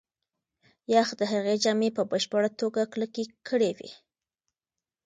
یخ د هغې جامې په بشپړه توګه کلکې کړې وې.